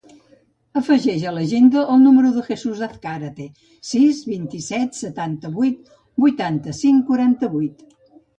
Afegeix a l'agenda el número del Jesús Azcarate: sis, vint-i-set, setanta-vuit, vuitanta-cinc, quaranta-vuit.